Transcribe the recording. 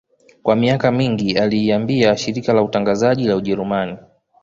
Kwa miaka mingi aliiambia shirika la utangazaji la Ujerumani